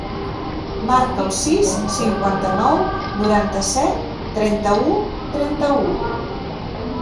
Marca el sis, cinquanta-nou, noranta-set, trenta-u, trenta-u.